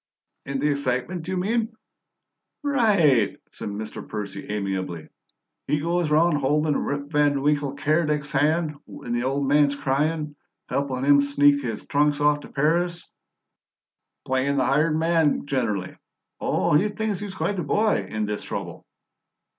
"In the excitement, you mean?" "Right!" said Mr. Percy amiably. "He goes round holdin' Rip Van Winkle Keredec's hand when the ole man's cryin'; helpin' him sneak his trunks off t' Paris playin' the hired man gener'ly. Oh, he thinks he's quite the boy, in this trouble!"